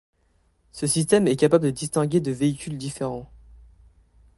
Ce système est capable de distinguer de véhicules différents.